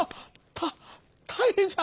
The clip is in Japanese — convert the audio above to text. たったいへんじゃ。